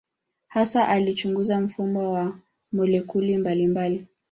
Hasa alichunguza mfumo wa molekuli mbalimbali.